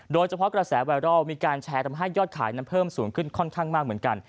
โดยเฉพาะกระแสไวรัลมีการแชร์ทำให้ยอดขายนั้นเพิ่มสูงขึ้นค่อนข้างมากเหมือนกัน